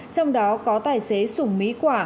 trong đó có tài xế sùng mý quả